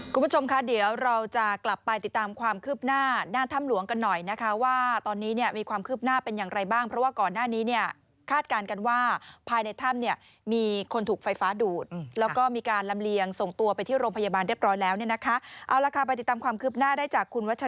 คุณผู้ชมคะเดี๋ยวเราจะกลับไปติดตามความคืบหน้าหน้าถ้ำหลวงกันหน่อยนะคะว่าตอนนี้เนี่ยมีความคืบหน้าเป็นอย่างไรบ้างเพราะว่าก่อนหน้านี้เนี่ยคาดการณ์กันว่าภายในถ้ำเนี่ยมีคนถูกไฟฟ้าดูดแล้วก็มีการลำเลียงส่งตัวไปที่โรงพยาบาลเรียบร้อยแล้วเนี่ยนะคะเอาละค่ะไปติดตามความคืบหน้าได้จากคุณวัช